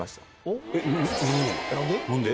何で？